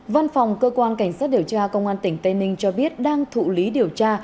văn phòng cơ quan cảnh sát điều tra công an tỉnh tây ninh cho biết đang thụ lý điều tra